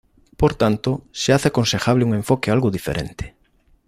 Por tanto, se hace aconsejable un enfoque algo diferente.